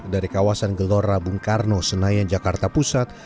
dari kawasan gelora bung karno senayan jakarta pusat